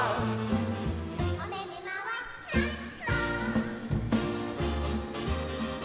「おめめ、まわっちゃった」